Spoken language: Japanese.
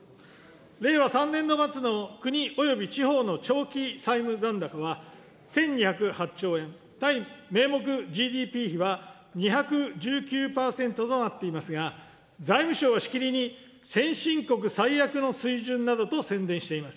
令和３年度末の国および地方の長期債務残高は１２０８兆円、対名目ＧＤＰ比は２１９％となっていますが、財務省はしきりに先進国最悪の水準などと宣伝しています。